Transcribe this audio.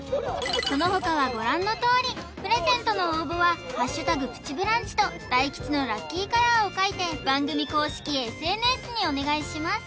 そのほかはご覧のとおりプレゼントの応募は「＃プチブランチ」と大吉のラッキーカラーを書いて番組公式ＳＮＳにお願いします